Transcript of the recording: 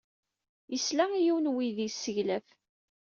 Yesla i yiwen n uydi yesseglaf.